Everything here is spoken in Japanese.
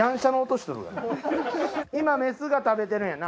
今メスが食べてるんやな。